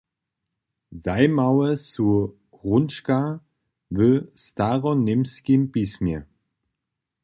Zajimawe su hrónčka w staroněmskim pismje.